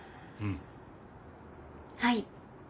はい。